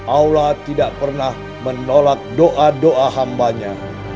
allah tidak pernah menolak doa doa hambanya